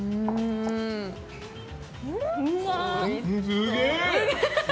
すげえ！